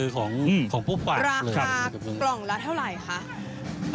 ราคากล่องละเท่าไหร่คะ